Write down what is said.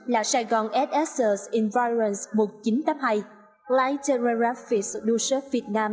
là sài gòn s s s environment một nghìn chín trăm tám mươi hai light telegraphic solution việt nam